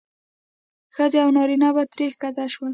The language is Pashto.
ښځې او نارینه به ترې ښکته شول.